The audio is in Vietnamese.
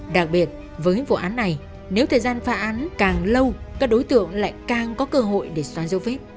đặc biệt với vụ án này nếu thời gian phá án càng lâu các đối tượng lại càng có cơ hội để xóa dấu vết